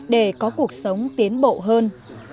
để có cuộc sống tiến bộ hơn